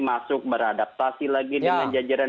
masuk beradaptasi lagi dengan jajaran